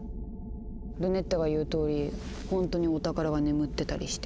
ルネッタが言うとおりほんとにお宝が眠ってたりして。